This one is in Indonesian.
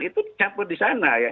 itu campur di sana